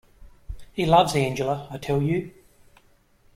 He loves Angela, I tell you.